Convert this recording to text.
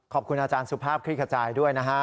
ขอบคุณอาจารย์สุภาพคลิกขจายด้วยนะฮะ